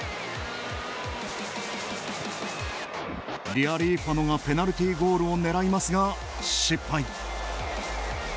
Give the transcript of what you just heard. リアリーファノがペナルティゴールを狙いますが失敗。